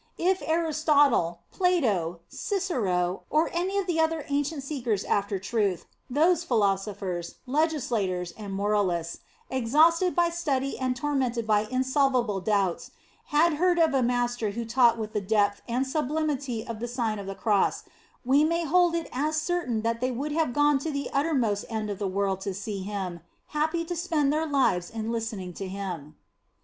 If Aristotle, Plato, Cicero, or any of those ancient seekers after truth; those philosophers, legislators, and moralists exhausted by study and tormented by insolvable doubts, had heard of a master who taught with the depth and sublimity of the Sign of the Cross, we may hold it as certain that they would have gone to the uttermost end of the world to see him, happy to spend their lives in listening to him.